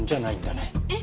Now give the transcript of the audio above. えっ？